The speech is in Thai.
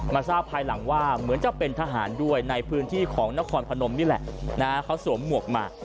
ทราบภายหลังว่าเหมือนจะเป็นทหารด้วยในพื้นที่ของนครพนมนี่แหละเขาสวมหมวกมา